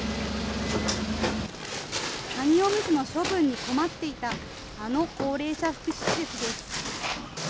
紙おむつの処分に困っていたあの高齢者福祉施設です。